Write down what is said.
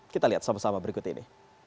kita lihat sama sama berikut ini